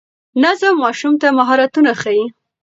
نظم ماشوم ته مهارتونه ښيي.